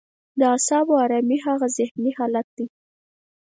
د اعصابو ارامي هغه ذهني حالت دی.